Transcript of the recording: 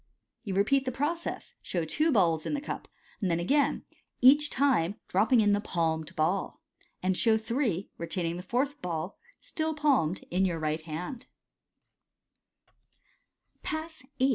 You repeat the process, and show two balls ill the cap j then again (each time dropping in the palmed ball), and «how three, retaining the fourth ball, still palmed, in your right kind Pass VIII.